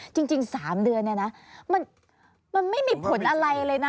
จริง๓เดือนเนี่ยนะมันไม่มีผลอะไรเลยนะ